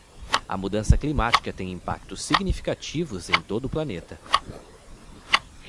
A mudança climática tem impactos significativos em todo o planeta.